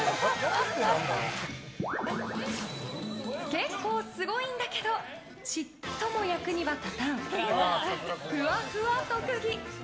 結構すごいんだけどちっとも役には立たんふわふわ特技。